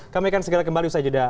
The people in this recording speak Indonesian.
kami akan segera kembali usai jeda